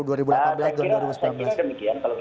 saya kira kira demikian kalau kita lihat